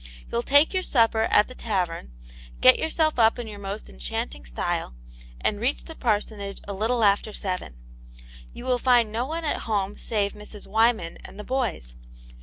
You'll take your supper at thei tavern, get yourself up in your most enchanting style, and reach the parsonage a little after seven* You will find no one at home save Mrs. Wyman and: the boys.